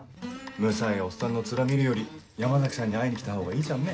むさいおっさんのツラ見るより山崎さんに会いに来たほうがいいじゃんね。